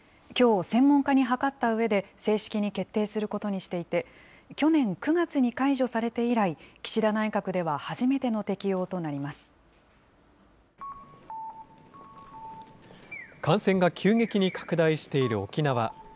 きょう、専門家に諮ったうえで、正式に決定することにしていて、去年９月に解除されて以来、岸田内閣では初めての適用となり感染が急激に拡大している沖縄。